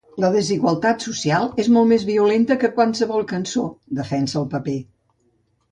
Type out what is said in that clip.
La desigualtat social és molt més violenta que qualsevol cançó, defensa el raper.